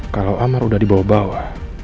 kalau amar udah dibawa bawa